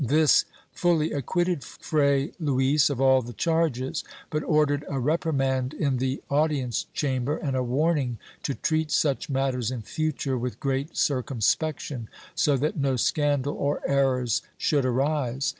This fully acquitted Fray Luis of all the charges, but ordered a reprimand in the audience chamber and a warning to treat such matters in future with great circumspection, so that no scandal or errors should arise.